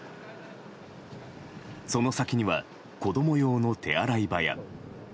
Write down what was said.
その先には子供用の手洗い場や。